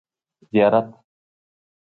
زیارت